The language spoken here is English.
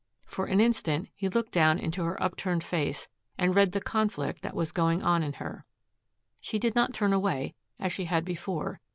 For an instant he looked down into her upturned face and read the conflict that was going on in her. She did not turn away, as she had before.